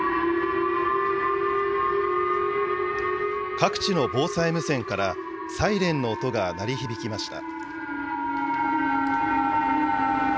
各地の防災無線からサイレンの音が鳴り響きました。